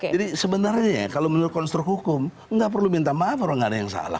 jadi sebenarnya kalau menurut konstruk hukum nggak perlu minta maaf kalau nggak ada yang salah